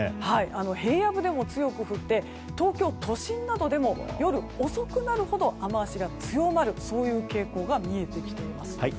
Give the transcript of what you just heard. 平野部でも強く降って東京都心などでも夜遅くなるほど雨脚が強まる傾向が見えてきています。